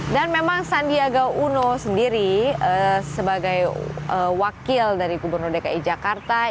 dan memang sandiaga uno sendiri sebagai wakil dari gubernur dki jakarta